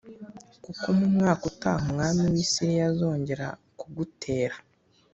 kuko mu mwaka utaha umwami w’i Siriya azongera kugutera”